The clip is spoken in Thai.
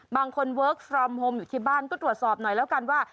บางคนเวิร์คฟรอมโฮมอยู่ที่บ้านก็ตรวจสอบหน่อยแล้วกันว่า